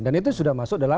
dan itu sudah masuk dalam